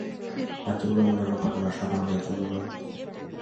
তাঁর জীবনের অন্যান্য ঘটনা সাধারণের জন্য নয়।